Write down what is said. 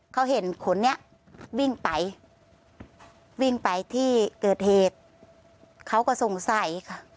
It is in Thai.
เขาเห็นคนนี้วิ่งไปวิ่งไปที่เกิดเหตุเขาก็สงสัยค่ะ